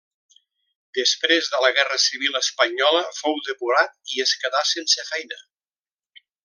Després de la guerra civil espanyola fou depurat i es quedà sense feina.